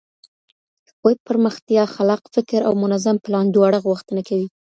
ویب پرمختیا خلاق فکر او منظم پلان دواړه غوښتنه کوي.